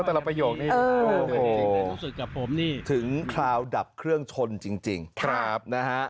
ประโยคนี้ถึงคราวดับเครื่องชนจริงนะฮะ